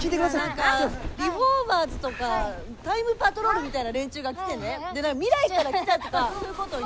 何かリフォーマーズとかタイムパトロールみたいな連中が来てね未来から来たとかそういうこと言って。